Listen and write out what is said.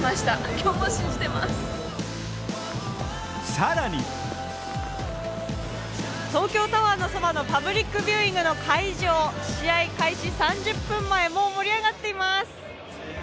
更に東京タワーのそばのパブリックビューイングの会場、試合開始３０分前、もう盛り上がっています。